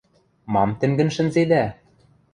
Мам тӹнгӹн шӹнзедӓ?